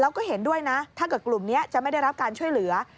แล้วก็เห็นด้วยนะถ้าเกิดกลุ่มนี้จะไม่ได้รับการช่วยเหลือ